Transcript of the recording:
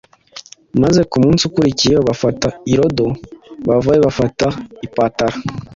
maze ku munsi ukurikiyeho bafata i Rodo, bavayo bafata i Patara,”